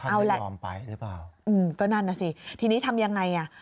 เอาแล้วอืมก็นั่นน่ะสิทีนี้ทำยังไง